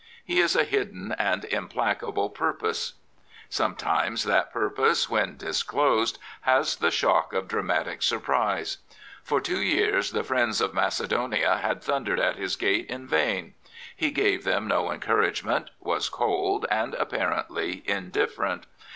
He is a hidden and implacable purpose. Sometimes that purpose, when disclosed, has the shock of dramatic surprise. For two years the friends of Macedonia had thundered at his gate in vain. He gave them no encourage ment, was cold and apparently indifferent.